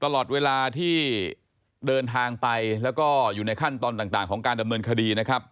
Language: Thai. ตลอดเวลาที่เดินทางไปแล้วก็อยู่ในขั้นตอนต่างของการดำเนินคดีนะครับ